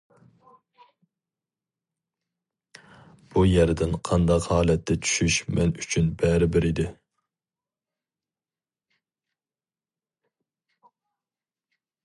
بۇ يەردىن قانداق ھالەتتە چۈشۈش مەن ئۈچۈن بەرىبىر ئىدى.